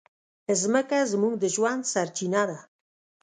مځکه زموږ د ژوند سرچینه ده.